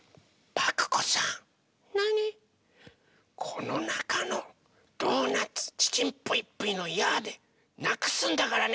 このなかのドーナツ「ちちんぷいぷいのやあ！」でなくすんだからね！